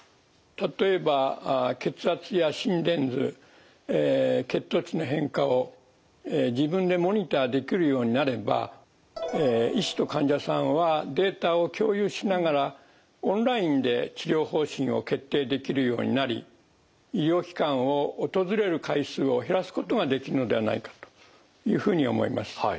例えば血圧や心電図血糖値の変化を自分でモニターできるようになれば医師と患者さんはデータを共有しながらオンラインで治療方針を決定できるようになり医療機関を訪れる回数を減らすことができるのではないかというふうに思います。